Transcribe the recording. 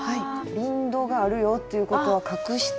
リンドウがあるよっていうことは隠して。